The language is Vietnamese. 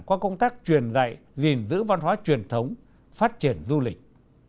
qua công tác truyền dạy gìn giữ văn hóa truyền thống phát triển du lịch